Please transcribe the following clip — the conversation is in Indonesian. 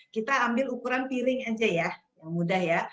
kita ambil ukuran piring aja ya yang mudah ya